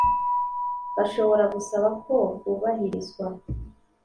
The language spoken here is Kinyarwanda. Bashobora gusaba ko bwubahirizwa